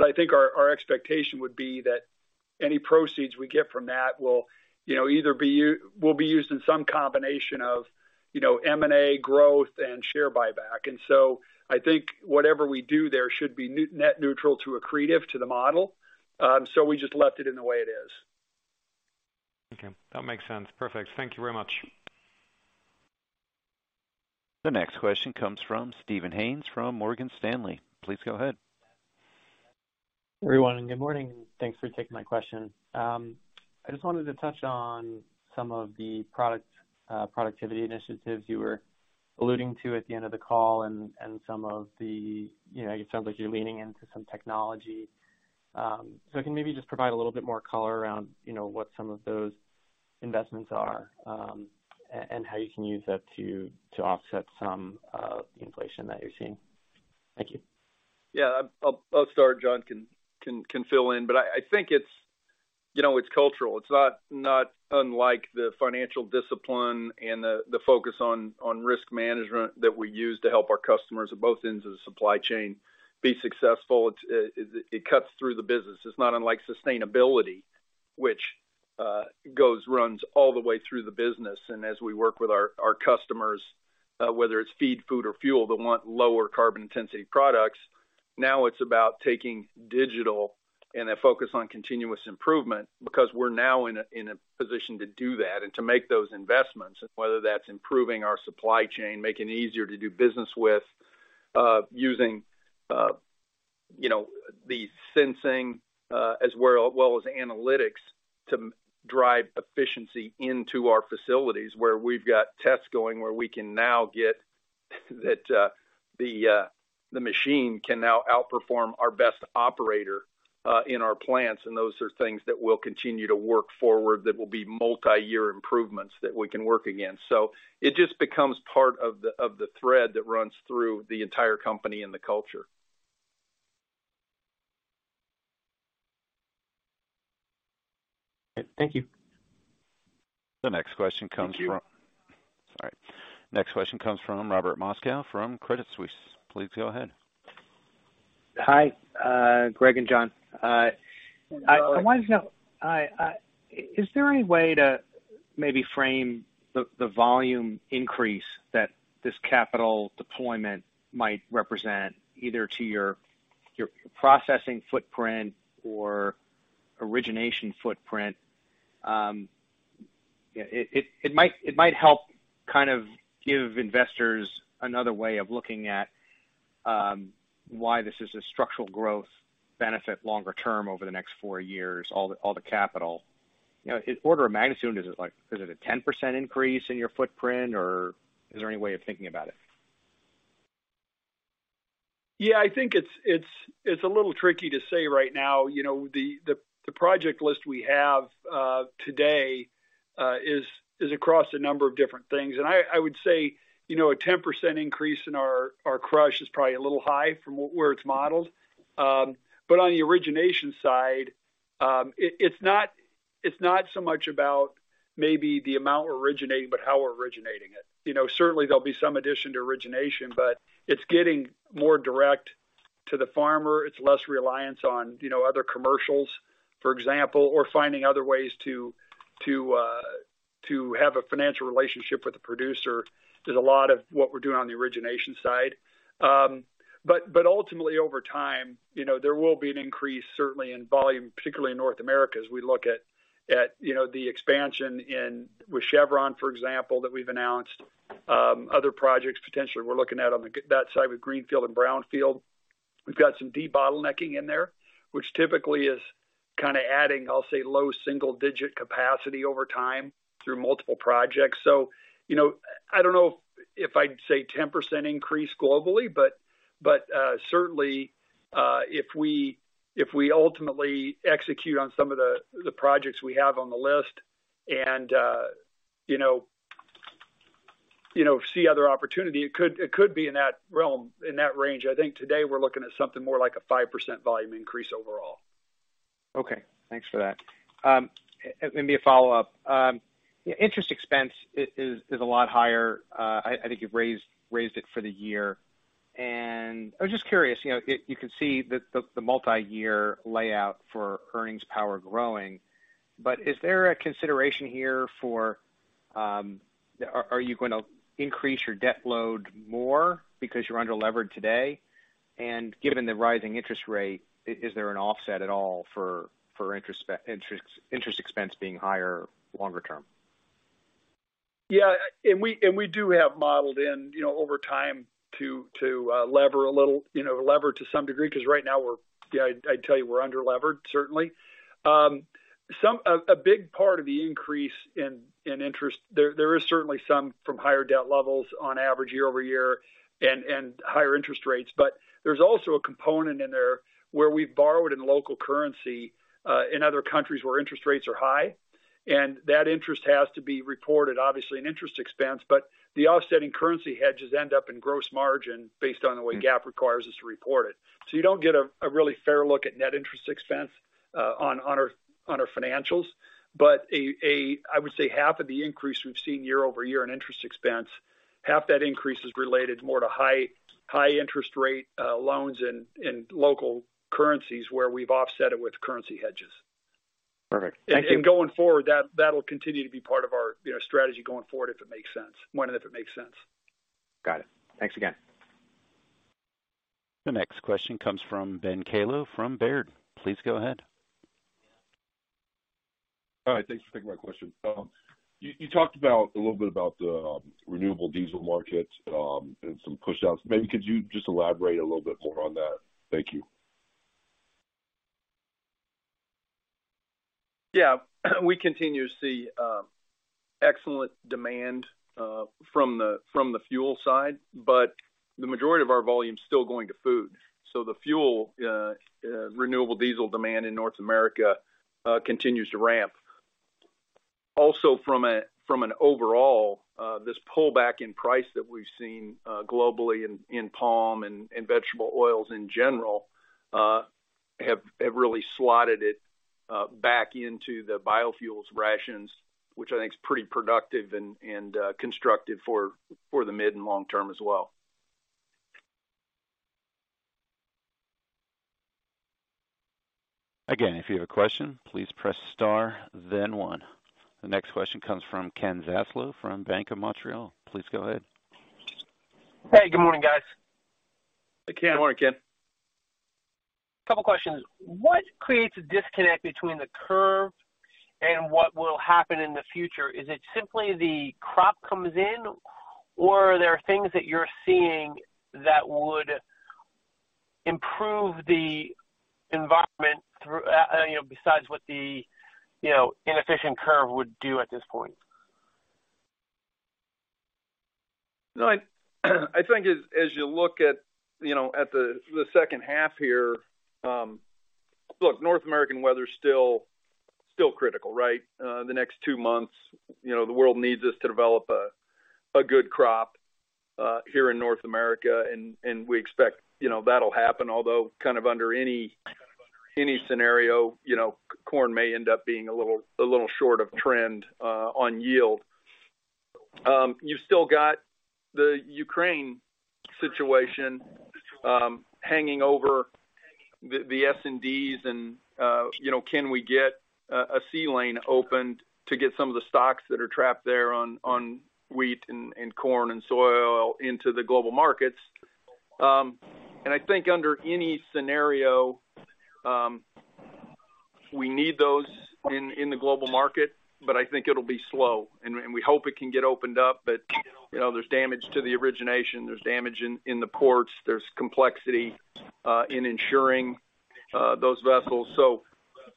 I think our expectation would be that any proceeds we get from that will, you know, either will be used in some combination of, you know, M&A growth and share buyback. I think whatever we do there should be net neutral to accretive to the model. We just left it in the way it is. Okay. That makes sense. Perfect. Thank you very much. The next question comes from Steven Haynes from Morgan Stanley. Please go ahead. Everyone, good morning, and thanks for taking my question. I just wanted to touch on some of the productivity initiatives you were alluding to at the end of the call and some of the, you know, it sounds like you're leaning into some technology. Can you maybe just provide a little bit more color around, you know, what some of those investments are, and how you can use that to offset some of the inflation that you're seeing? Thank you. Yeah. I'll start. John can fill in. But I think it's, you know, it's cultural. It's not unlike the financial discipline and the focus on risk management that we use to help our customers at both ends of the supply chain be successful. It cuts through the business. It's not unlike sustainability, which runs all the way through the business. As we work with our customers, whether it's feed, food or fuel, that want lower carbon intensity products, now it's about taking digital and a focus on continuous improvement because we're now in a position to do that and to make those investments. Whether that's improving our supply chain, making it easier to do business with, using, you know, the sensing as well as analytics to drive efficiency into our facilities where we've got tests going where we can now get that the machine can now outperform our best operator in our plants. Those are things that we'll continue to work forward that will be multi-year improvements that we can work against. It just becomes part of the thread that runs through the entire company and the culture. Thank you. The next question comes from. Thank you. Sorry. Next question comes from Robert Moskow from Credit Suisse. Please go ahead. Hi, Greg and John. I wanted to know, is there any way to maybe frame the volume increase that this capital deployment might represent either to your processing footprint or origination footprint? It might help kind of give investors another way of looking at why this is a structural growth benefit longer term over the next four years, all the capital. You know, in order of magnitude, is it like a 10% increase in your footprint, or is there any way of thinking about it? Yeah, I think it's a little tricky to say right now. You know, the project list we have today is across a number of different things. I would say, you know, a 10% increase in our crush is probably a little high from where it's modeled. On the origination side, it's not so much about maybe the amount we're originating, but how we're originating it. You know, certainly there'll be some addition to origination, but it's getting more direct to the farmer. It's less reliance on, you know, other commercials, for example, or finding other ways to have a financial relationship with the producer is a lot of what we're doing on the origination side. Ultimately, over time, you know, there will be an increase certainly in volume, particularly in North America, as we look at, you know, the expansion with Chevron, for example, that we've announced. Other projects potentially we're looking at that side with greenfield and brownfield. We've got some debottlenecking in there, which typically is kind of adding, I'll say, low single digit capacity over time through multiple projects. You know, I don't know if I'd say 10% increase globally, but certainly, if we ultimately execute on some of the projects we have on the list and, you know, see other opportunity, it could be in that realm, in that range. I think today we're looking at something more like a 5% volume increase overall. Okay. Thanks for that. Maybe a follow-up. Interest expense is a lot higher. I think you've raised it for the year. I was just curious, you know, you can see the multi-year outlook for earnings power growing. Is there a consideration here for are you going to increase your debt load more because you're under-levered today? Given the rising interest rate, is there an offset at all for interest expense being higher longer term? Yeah. We do have modeled in, you know, over time to lever a little, you know, lever to some degree, because right now we're-- I'd tell you we're under-levered, certainly. A big part of the increase in interest, there is certainly some from higher debt levels on average year-over-year and higher interest rates. There's also a component in there where we've borrowed in local currency in other countries where interest rates are high, and that interest has to be reported obviously in interest expense. The offsetting currency hedges end up in gross margin based on the way GAAP requires us to report it. You don't get a really fair look at net interest expense on our financials. I would say half of the increase we've seen year-over-year in interest expense, half that increase is related more to high-interest rate loans in local currencies where we've offset it with currency hedges. Perfect. Thank you. Going forward, that'll continue to be part of our, you know, strategy going forward, if it makes sense. When and if it makes sense. Got it. Thanks again. The next question comes from Ben Kallo from Baird. Please go ahead. All right. Thanks for taking my question. You talked about a little bit about the renewable diesel market and some pushouts. Maybe could you just elaborate a little bit more on that? Thank you. Yeah. We continue to see excellent demand from the fuel side, but the majority of our volume is still going to food. The fuel renewable diesel demand in North America continues to ramp. Also from an overall this pullback in price that we've seen globally in palm and vegetable oils in general have really slotted it back into the biofuels equation, which I think is pretty productive and constructive for the mid and long term as well. Again, if you have a question, please press star then one. The next question comes from Ken Zaslow from Bank of Montreal. Please go ahead. Hey, good morning, guys. Hey, Ken. Good morning, Ken. Couple questions. What creates a disconnect between the curve and what will happen in the future? Is it simply the crop comes in or are there things that you're seeing that would improve the environment through, you know, besides what the, you know, inefficient curve would do at this point? No, I think as you look at, you know, at the second half here, look, North American weather is still critical, right? The next two months, you know, the world needs us to develop a good crop here in North America, and we expect, you know, that'll happen. Although kind of under any scenario, you know, corn may end up being a little short of trend on yield. You still got the Ukraine situation hanging over the S&Ds and, you know, can we get a sea lane opened to get some of the stocks that are trapped there on wheat and corn and soy oil into the global markets. I think under any scenario, we need those in the global market, but I think it'll be slow. We hope it can get opened up. You know, there's damage to the origination, there's damage in the ports, there's complexity in ensuring those vessels.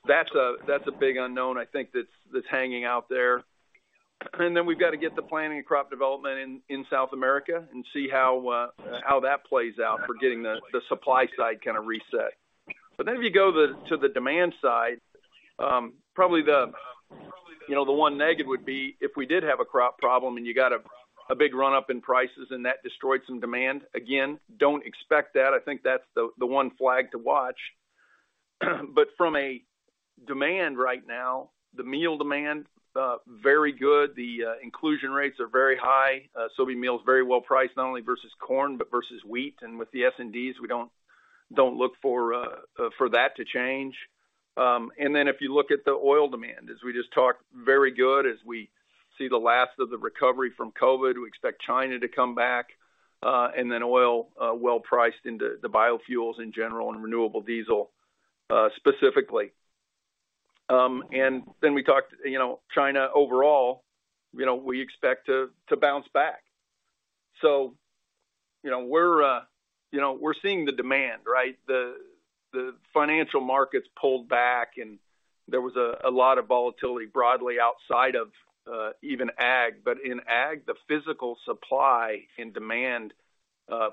That's a big unknown I think that's hanging out there. We've got to get the planting and crop development in South America and see how that plays out for getting the supply side kind of reset. If you go to the demand side, probably, you know, the one negative would be if we did have a crop problem and you got a big run up in prices and that destroyed some demand. Again, don't expect that. I think that's the one flag to watch. From a demand right now, the meal demand, very good. The inclusion rates are very high. Soybean meal is very well priced, not only versus corn, but versus wheat. With the S&Ds, we don't look for that to change. If you look at the oil demand, as we just talked, very good as we see the last of the recovery from COVID. We expect China to come back, and then oil well-priced into the biofuels in general and renewable diesel specifically. We talked, you know, China overall, you know, we expect to bounce back. You know, we're seeing the demand, right? The financial markets pulled back and there was a lot of volatility broadly outside of even ag. In ag, the physical supply and demand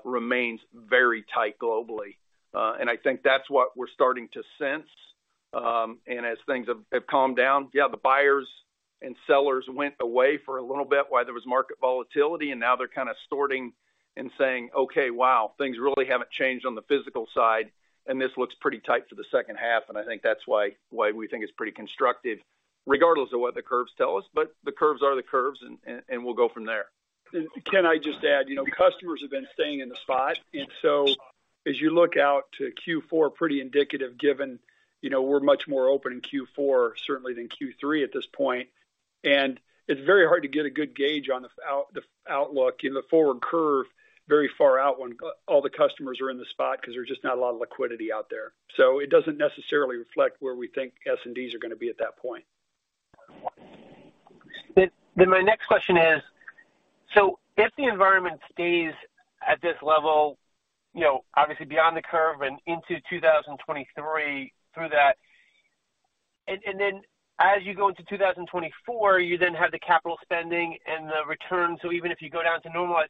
remains very tight globally. I think that's what we're starting to sense. As things have calmed down, yeah, the buyers and sellers went away for a little bit while there was market volatility, and now they're kind of sorting and saying, "Okay, wow, things really haven't changed on the physical side, and this looks pretty tight for the second half." I think that's why we think it's pretty constructive, regardless of what the curves tell us. The curves are the curves and we'll go from there. Can I just add, you know, customers have been staying in the spot. As you look out to Q4, pretty indicative given, you know, we're much more open in Q4 certainly than Q3 at this point. It's very hard to get a good gauge on the outlook in the forward curve very far out when all the customers are in the spot because there's just not a lot of liquidity out there. It doesn't necessarily reflect where we think S&Ds are gonna be at that point. My next question is: so if the environment stays at this level, you know, obviously beyond the curve and into 2023 through that, and then as you go into 2024, you then have the capital spending and the return, so even if you go down to normalize.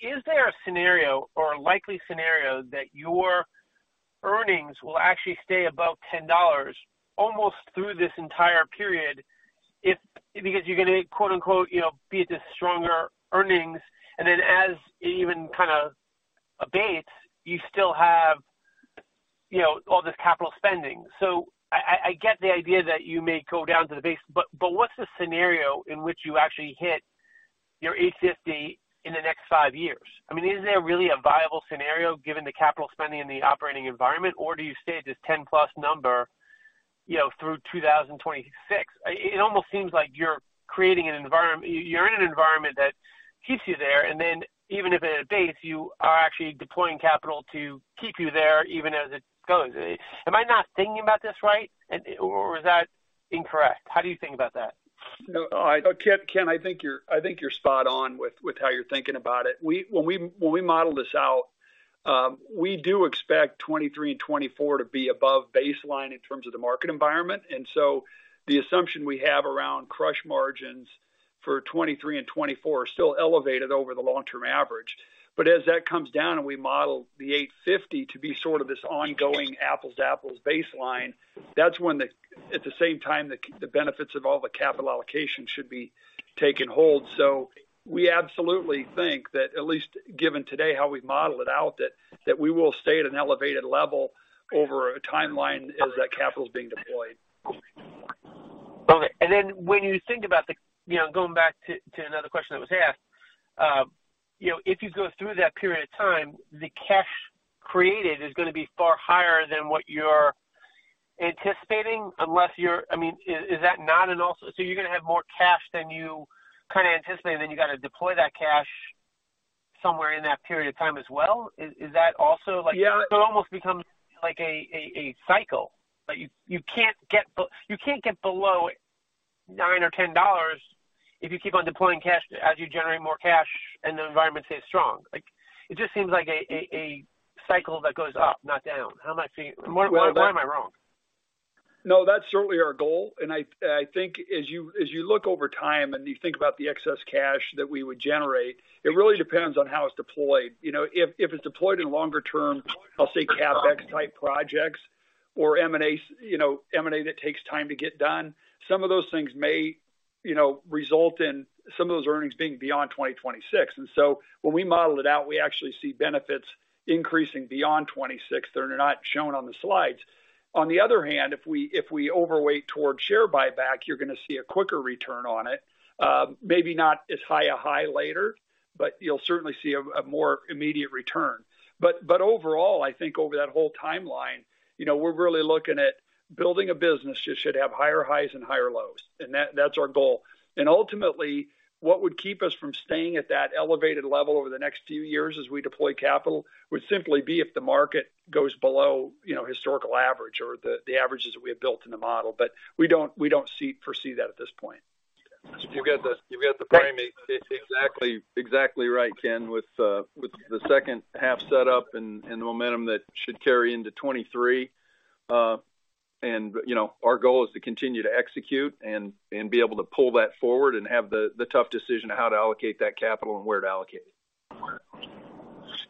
Is there a scenario or a likely scenario that your earnings will actually stay above $10 almost through this entire period if because you're gonna quote/unquote, you know, be at the stronger earnings, and then as it even kind of abates, you still have, you know, all this capital spending. I get the idea that you may go down to the base, but what's the scenario in which you actually hit your $8.50 in the next five years? I mean, is there really a viable scenario given the capital spending and the operating environment, or do you stay at this 10+ number, you know, through 2026? It almost seems like you're creating an environment, you're in an environment that keeps you there, and then even if it abates, you are actually deploying capital to keep you there even as it goes. Am I not thinking about this right? Or is that incorrect? How do you think about that? No, Ken, I think you're spot on with how you're thinking about it. When we model this out, we do expect 2023 and 2024 to be above baseline in terms of the market environment. The assumption we have around crush margins for 2023 and 2024 are still elevated over the long-term average. As that comes down and we model the $850 to be sort of this ongoing apples-to-apples baseline, that's when at the same time, the benefits of all the capital allocation should be taking hold. We absolutely think that at least given today how we model it out, we will stay at an elevated level over a timeline as that capital is being deployed. Okay. When you think about the you know going back to another question that was asked you know if you go through that period of time the cash created is gonna be far higher than what you're anticipating so you're gonna have more cash than you kind of anticipated and then you gotta deploy that cash somewhere in that period of time as well? Is that also like Yeah. It almost becomes like a cycle. Like, you can't get below $9 or $10 if you keep on deploying cash as you generate more cash and the environment stays strong. Like, it just seems like a cycle that goes up, not down. How am I wrong? No, that's certainly our goal. I think as you look over time and you think about the excess cash that we would generate, it really depends on how it's deployed. You know, if it's deployed in longer term, I'll say CapEx type projects or M&A, you know, M&A that takes time to get done, some of those things may, you know, result in some of those earnings being beyond 2026. When we model it out, we actually see benefits increasing beyond 2026. They're not shown on the slides. On the other hand, if we overweight towards share buyback, you're gonna see a quicker return on it. Maybe not as high a high later, but you'll certainly see a more immediate return. Overall, I think over that whole timeline, you know, we're really looking at building a business should have higher highs and higher lows. That's our goal. Ultimately, what would keep us from staying at that elevated level over the next few years as we deploy capital, would simply be if the market goes below, you know, historical average or the averages that we have built in the model. We don't foresee that at this point. You got the framing exactly right, Ken, with the second half set up and the momentum that should carry into 2023. You know, our goal is to continue to execute and be able to pull that forward and have the tough decision of how to allocate that capital and where to allocate it.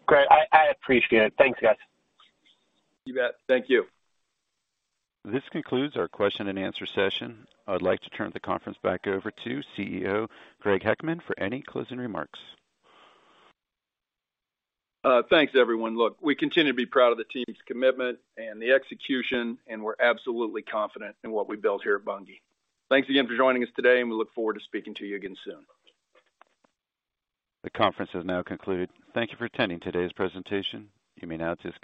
Great. I appreciate it. Thanks, guys. You bet. Thank you. This concludes our question-and-answer session. I'd like to turn the conference back over to CEO Greg Heckman for any closing remarks. Thanks everyone. Look, we continue to be proud of the team's commitment and the execution, and we're absolutely confident in what we built here at Bunge. Thanks again for joining us today, and we look forward to speaking to you again soon. The conference has now concluded. Thank you for attending today's presentation. You may now disconnect.